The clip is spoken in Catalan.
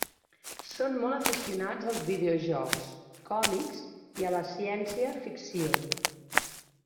Són molt aficionats als videojocs, còmics i a la ciència-ficció.